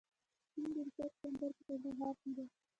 د سپین بولدک بندر په کندهار کې دی